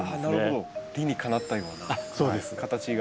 理にかなったような形が。